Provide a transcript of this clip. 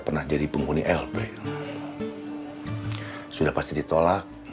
saya harus berpikir